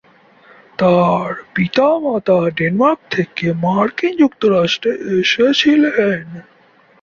তার পিতামাতা ডেনমার্ক থেকে মার্কিন যুক্তরাষ্ট্রে এসেছিলেন।